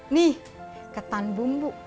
nih ketan bumbu